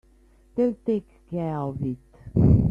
They'll take care of it.